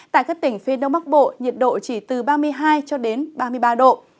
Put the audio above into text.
tại các tỉnh phía đông bắc bộ nhiệt độ chỉ từ ba mươi hai cho đến ba mươi ba độ